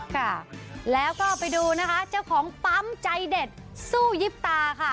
ค่ะแล้วก็ไปดูนะคะเจ้าของปั๊มใจเด็ดสู้ยิบตาค่ะ